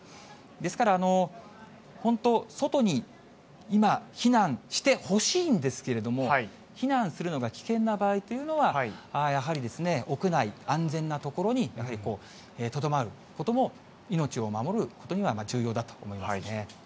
ですから、本当、外に今、避難してほしいんですけれども、避難するのが危険な場合というのは、やはり、屋内安全な所にやはりとどまることも、命を守ることには重要だと思いますね。